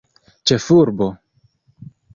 ĉefurbo